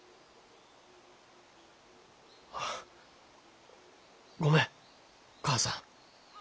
あごめん母さん。